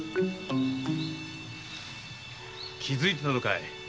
気づいてたのかい？